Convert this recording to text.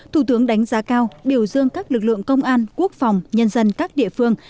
thủ tướng đánh giá cao biểu dương các lực lượng công an quốc phòng nhân dân các địa phương